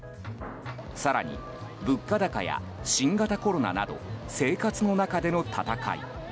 更に、物価高や新型コロナなど生活の中での戦い。